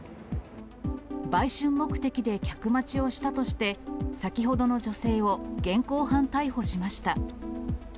売春目的で客待ちをしたとして、先ほどの女性を現行犯逮捕しました。